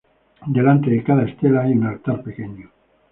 Delante de cada estela hay un altar pequeño.